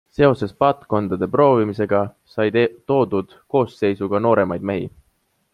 Seoses paatkondade proovimisega sai toodud koosseisu ka nooremaid mehi.